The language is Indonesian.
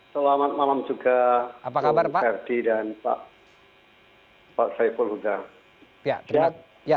selamat malam juga pak serdi dan pak saiful huda